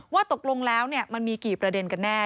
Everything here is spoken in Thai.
ว่าตกลงแล้วมันมีกี่ประเด็นกันแน่